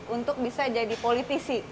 untuk bisa jadi politisi